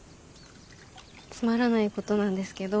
つまらないことなんですけど。